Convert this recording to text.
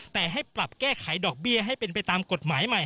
แต่ให้ปรับแก้ไขดอกเบี้ยให้เป็นไปตามกฎหมายใหม่